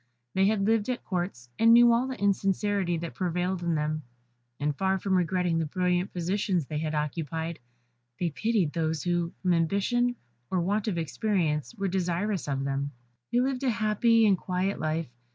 They had lived at Courts, and knew all the insincerity that prevailed in them; and far from regretting the brilliant positions they had occupied, they pitied those who, from ambition or want of experience, were desirous of them. They lived a happy and quiet life.